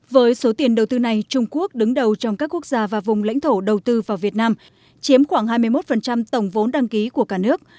với số tiền đầu tư này trung quốc đứng đầu trong các quốc gia và vùng lãnh thổ đầu tư vào việt nam chiếm khoảng hai mươi một tổng vốn đăng ký của cả nước